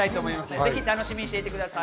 ぜひ楽しみにしていてください。